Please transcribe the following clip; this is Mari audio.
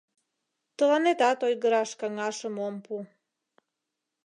Тыланетат ойгыраш каҥашым ом пу.